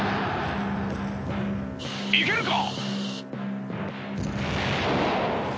いけるか！？